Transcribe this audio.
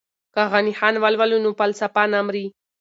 که غني خان ولولو نو فلسفه نه مري.